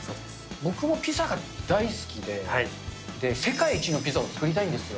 僕もピザが大好きで、世界一のピザを作りたいんですよ。